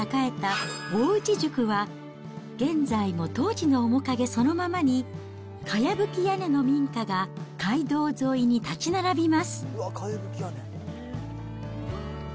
江戸時代に宿場町として栄えた大内宿は、現在も当時の面影そのままに、かやぶき屋根の民家が街道沿いに建ち並びます。